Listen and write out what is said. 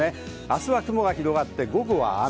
明日は雲が広がって午後は雨。